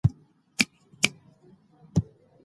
زه غواړم د بدن خوشبویۍ لپاره سابون وکاروم.